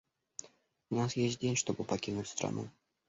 У нас есть день, чтобы покинуть страну.